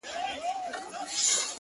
خو اوس دي گراني دا درسونه سخت كړل;